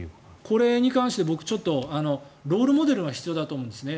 これに関して僕、ロールモデルが必要だと思うんですね。